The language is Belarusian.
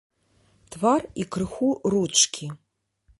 Твар і крыху ручкі.